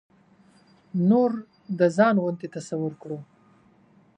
نور د ځان غوندې تصور کړو.